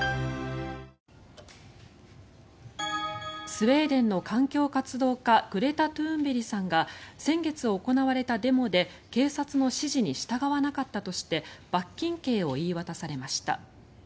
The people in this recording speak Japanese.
スウェーデンの環境活動家グレタ・トゥーンベリさんが先月行われたデモで警察の指示に従わなかったとして罰金刑を言い渡されました。